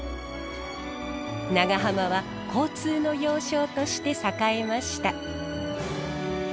長浜は交通の要衝として栄えました。